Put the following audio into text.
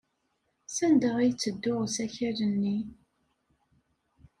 Sanda ay yetteddu usakal-nni?